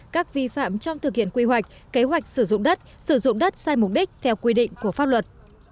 các vi phạm trong thực hiện quy hoạch kế hoạch sử dụng đất sử dụng đất sai mục đích theo quy định của pháp luật